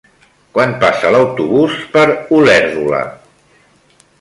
Quan passa l'autobús per Olèrdola?